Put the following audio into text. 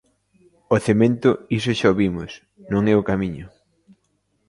O cemento, iso xa o vimos, non é o camiño.